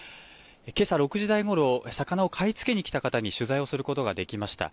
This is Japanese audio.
けさ６時台ごろ、魚を買い付けに来た方に取材をすることができました。